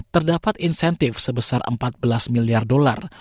terdapat insentif sebesar empat belas miliar dolar